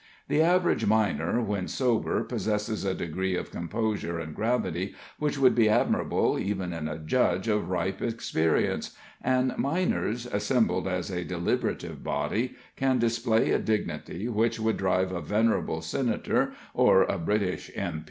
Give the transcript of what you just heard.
The average miner, when sober, possesses a degree of composure and gravity which would be admirable even in a judge of ripe experience, and miners, assembled as a deliberative body, can display a dignity which would drive a venerable Senator or a British M.